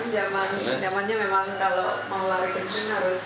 zaman zaman memang kalau mau lari kenceng harus